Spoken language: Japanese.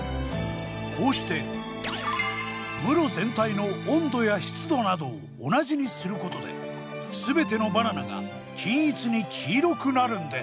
こうして室全体の温度や湿度などを同じにすることで全てのバナナが均一に黄色くなるんです。